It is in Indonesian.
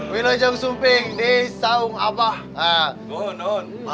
kita sudah sampai di rumah